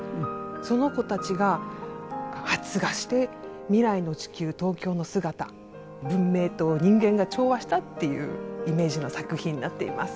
その子たちが発芽して未来の地球東京の姿文明と人間が調和したっていうイメージの作品になっています。